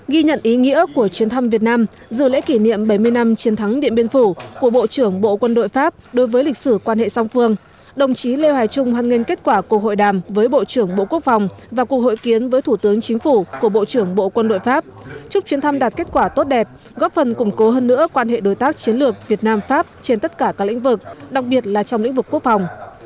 ghi nhận ý nghĩa của chuyến thăm việt nam dự lễ kỷ niệm bảy mươi năm chiến thắng điện biên phủ của bộ trưởng bộ quân đội pháp đối với lịch sử quan hệ song phương đồng chí lê hoài trung hoan nghênh kết quả cuộc hội đàm với bộ trưởng bộ quốc phòng và cuộc hội kiến với thủ tướng chính phủ của bộ trưởng bộ quân đội pháp chúc chuyến thăm đạt kết quả tốt đẹp góp phần củng cố hơn nữa quan hệ đối tác chiến lược việt nam pháp trên tất cả các lĩnh vực đặc biệt là trong lĩnh vực quốc phòng